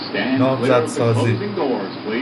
نامزدسازی